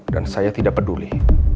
dan saya tidak peduli